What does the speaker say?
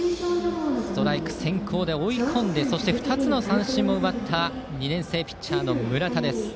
ストライク先行で追い込んでそして２つの三振を奪った２年生ピッチャーの村田。